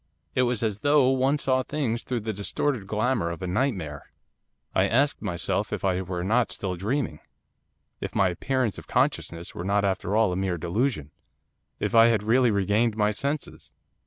It was as though one saw things through the distorted glamour of a nightmare. I asked myself if I were not still dreaming; if my appearance of consciousness were not after all a mere delusion; if I had really regained my senses.